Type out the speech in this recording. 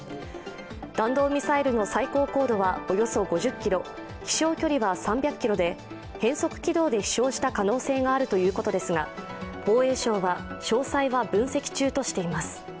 弾道ミサイルの最高高度はおよそ５０ｋｍ飛しょう距離は３００ｋｍで変則軌道で飛翔した可能性があるということですが、防衛省は詳細は分析中としています。